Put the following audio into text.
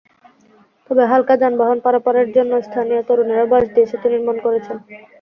তবে হালকা যানবাহন পারাপারের জন্য স্থানীয় তরুণেরা বাঁশ দিয়ে সেতু নির্মাণ করেছেন।